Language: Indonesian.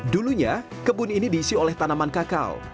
dulunya kebun ini diisi oleh tanaman kakao